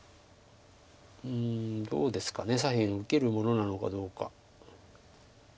どうですか左辺受けるものなのかどうか。